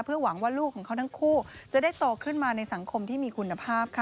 หวังว่าลูกของเขาทั้งคู่จะได้โตขึ้นมาในสังคมที่มีคุณภาพค่ะ